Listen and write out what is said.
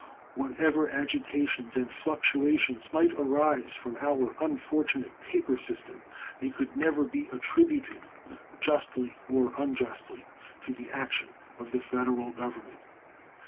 Whatever agitations and fluctuations might arise from our unfortunate paper system, they could never be attributed, justly or unjustly, to the action of the Federal Government.